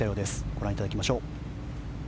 ご覧いただきましょう。